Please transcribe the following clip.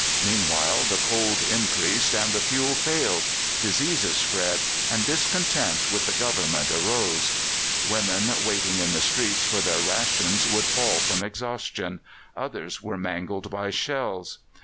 Meanwhile the cold increased and the fuel failed; diseases spread, and discontent with the Government arose. Women waiting in the streets for their rations would fall from exhaustion; others were mangled by shells.